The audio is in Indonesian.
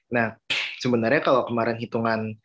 nah sebenarnya kalau kemarin hitungan